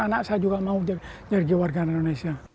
anak saya juga mau jadi warga negara indonesia